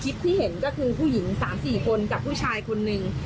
คลิปที่เห็นก็คือผู้หญิง๓๔คนกับผู้ชายคนหนึ่ง